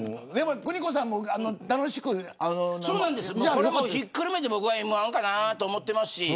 これもひっくるめて僕はＭ‐１かなと思ってますし。